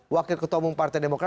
wakil ketomong partai demokrat